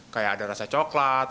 kayak ada rasa coklat